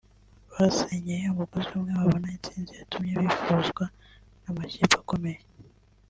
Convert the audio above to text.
basenyeye umugozi umwe babona intsinzi yatumye bifuzwa n’amakipe akomeye